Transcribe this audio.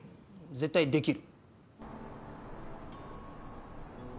絶対できる。